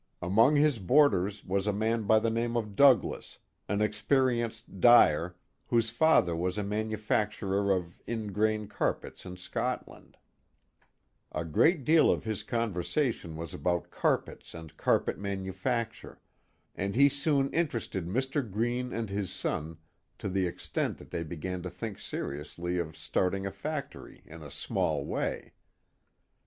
Among his boarders was a man by the name of Douglass. an experienced dyer, whose father was a manufacturer of ingrain carpets in Scotland, A great deal of his conversation was about carpets and carpet manufacture, and he soon interested Mr, Greene and his son to the extent that they began to think seriously of start, ing a factory in a small way.